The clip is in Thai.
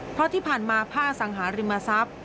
เพราะที่ผ่านมาผ้าสังหาริมทรัพย์